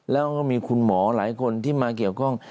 แล้วก็มีคุณหมอหลายคนที่มาเกี่ยวข้อง